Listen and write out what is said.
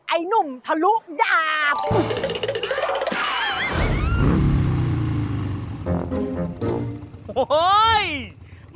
ไอ้หนุ่มทะลุดาบ